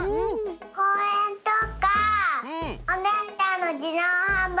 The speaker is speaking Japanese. こうえんとかおねえちゃんのじどうはんばいきとかいける。